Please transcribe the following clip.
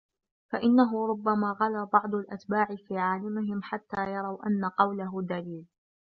فَإِنَّهُ رُبَّمَا غَلَا بَعْضُ الْأَتْبَاعِ فِي عَالِمِهِمْ حَتَّى يَرَوْا أَنَّ قَوْلَهُ دَلِيلٌ